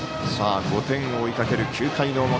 ５点を追いかける９回の表。